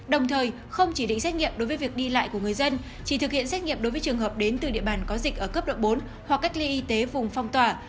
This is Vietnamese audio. đồng thời không chỉ định xét nghiệm đối với việc đi lại của người dân chỉ thực hiện xét nghiệm đối với trường hợp đến từ địa bàn có dịch ở cấp độ bốn hoặc cách ly y tế vùng phong tỏa